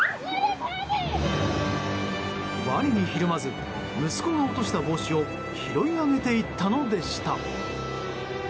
ワニにひるまず息子が落とした帽子を拾い上げていったのでした。